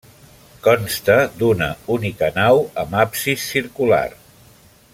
Consta d'una única nau amb absis circular.